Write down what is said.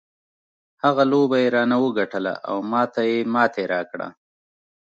هغه لوبه یې رانه وګټله او ما ته یې ماتې راکړه.